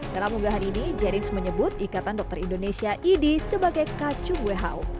dalam unggahan ini jerings menyebut ikatan dokter indonesia idi sebagai kacung who